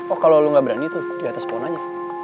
oh kalo lu gak berani tuh di atas pon aja